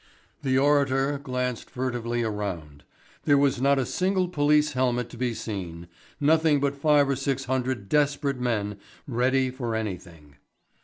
The orator glanced furtively around. There was not a single police helmet to be seen, nothing but five or six hundred desperate men ready for anything.